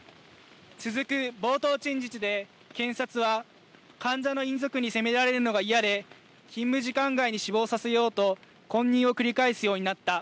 続く冒頭陳述で検察は患者の遺族に責められるのが嫌で勤務時間外に死亡させようと混入を繰り返すようになった。